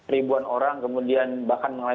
ribuan orang kemudian bahkan mengalami